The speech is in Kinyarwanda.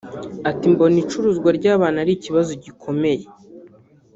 Ati “Mbona icuruzwa ry’abantu ari ikibazo gikomeye